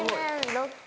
６回。